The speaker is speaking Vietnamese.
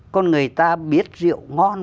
còn người ta biết rượu ngon